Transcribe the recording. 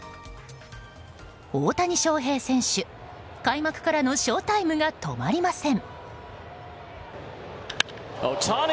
大谷翔平選手開幕からのショウタイムが止まりません。